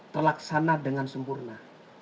terlaksana dengan sempurna